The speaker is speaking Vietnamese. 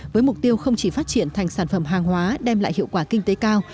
với mục tiêu không chỉ phát triển thành sản phẩm hàng hóa đem lại hiệu quả kinh tế cao